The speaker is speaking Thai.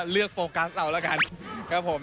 เลือกโฟกัสเอาละกัน